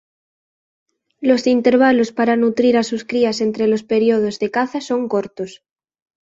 Los intervalos para nutrir a sus crías entre los períodos de caza son cortos.